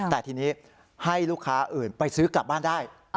แต่ทีนี้ให้ลูกค้าอื่นไปซื้อกลับบ้านได้